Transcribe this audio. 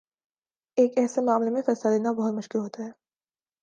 ایک ایسے معاملے میں فیصلہ دینا بہت مشکل ہوتا ہے۔